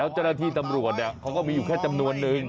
เจ้าหน้าที่ตำรวจเขาก็มีอยู่แค่จำนวนนึง